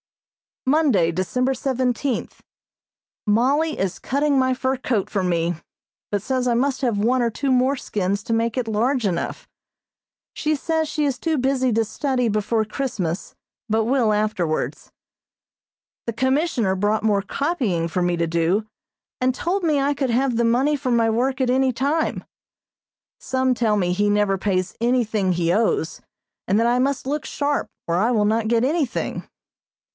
Monday, December seventeenth: Mollie is cutting my fur coat for me, but says I must have one or two more skins to make it large enough. She says she is too busy to study before Christmas, but will afterwards. The Commissioner brought more copying for me to do, and told me I could have the money for my work at any time. Some tell me he never pays anything he owes, and that I must look sharp or I will not get anything.